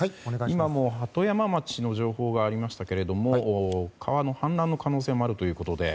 今も鳩山町の情報がありましたが川の氾濫の可能性もあるということで。